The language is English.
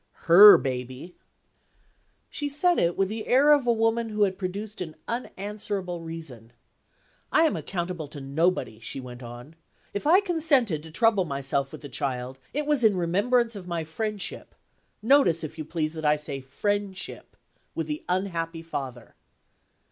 "Her baby!" She said it with the air of a woman who had produced an unanswerable reason. "I am accountable to nobody," she went on. "If I consented to trouble myself with the child, it was in remembrance of my friendship notice, if you please, that I say friendship with the unhappy father."